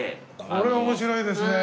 これは面白いですね。